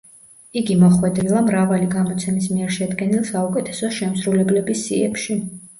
იგი მოხვედრილა მრავალი გამოცემის მიერ შედგენილ საუკეთესო შემსრულებლების სიებში.